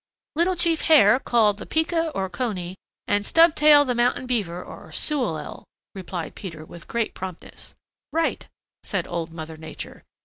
"Little Chief Hare, called the Pika or Cony, and Stubtail the Mountain Beaver or Sewellel," replied Peter with great promptness. "Right," said Old Mother Nature.